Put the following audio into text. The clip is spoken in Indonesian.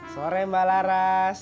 sore mbak laras